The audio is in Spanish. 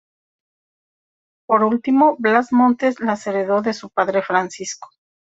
Por último Blas Montes las heredó de su padre Francisco.